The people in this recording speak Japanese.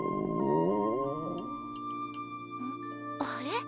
あれ？